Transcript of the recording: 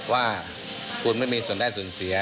ว่าคุณไม่มีส่วนได้ส่วนเสีย